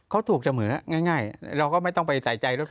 เขาถูกเสมอง่ายเราก็ไม่ต้องไปใส่ใจรถ